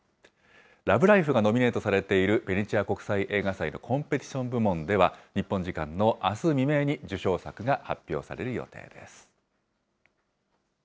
ＬＯＶＥＬＩＦＥがノミネートされているベネチア国際映画祭のコンペティション部門では、日本時間のあす未明に受賞作が発表される予定です。